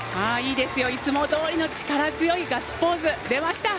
いつもどおりの力強いガッツポーズ出ました！